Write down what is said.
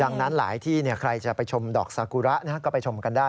ดังนั้นหลายที่เนี่ยใครจะไปชมดอกซากูระนะครับก็ไปชมกันได้